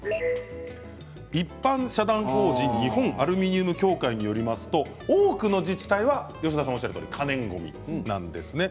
一般社団法人日本アルミニウム協会によりますと多くの自治体は吉田さんがおっしゃるとおり可燃ごみなんですね。